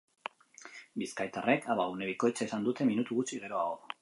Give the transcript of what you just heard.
Bizkaitarrek abagune bikoitza izan dute minutu gutxi geroago.